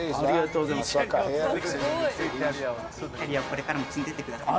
キャリアをこれからも積んでいってください。